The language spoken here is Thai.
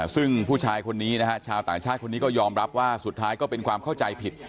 ซึ่งผู้ชายคนนี้นะฮะชาวต่างชาติคนนี้ก็ยอมรับว่าสุดท้ายก็เป็นความเข้าใจผิด